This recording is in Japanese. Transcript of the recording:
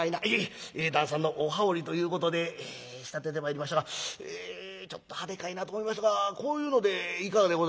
「ええ。旦さんのお羽織ということで仕立ててまいりましたがちょっと派手かいなと思いますがこういうのでいかがでございます？」。